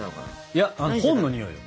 いや本のにおいよ！